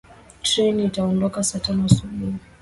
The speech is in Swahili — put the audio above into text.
Treni itaondoka saa tano asubuhi.